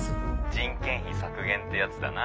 人件費削減ってやつだな。